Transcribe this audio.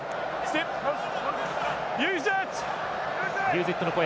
ユーズイットの声。